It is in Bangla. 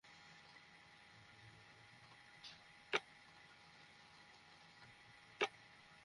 হঠাৎ বৃষ্টিতে শুধু কাপড় নয়, বাইরে থাকা যেকোনো জিনিসই যত্নে রাখা দরকার।